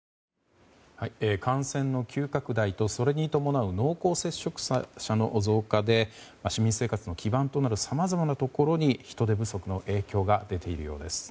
感染の急拡大とそれに伴う濃厚接触者の増加で市民生活の基盤となるさまざまなところに人手不足の影響が出ているようです。